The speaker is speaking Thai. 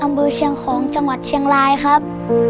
เชียงของจังหวัดเชียงรายครับ